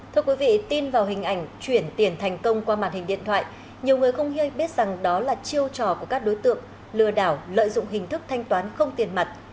thưa quý vị tin vào hình ảnh chuyển tiền thành công qua màn hình điện thoại nhiều người không hiê biết rằng đó là chiêu trò của các đối tượng lừa đảo lợi dụng hình thức thanh toán không tiền mặt